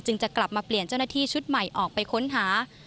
จะกลับมาเปลี่ยนเจ้าหน้าที่ชุดใหม่ออกไปค้นหา